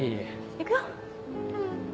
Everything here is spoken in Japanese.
行くよ。